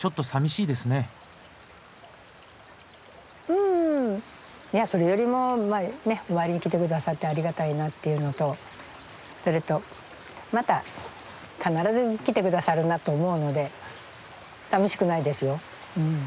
うんいやそれよりもお参りに来てくださってありがたいなっていうのとそれとまた必ず来てくださるなと思うのでさみしくないですようん。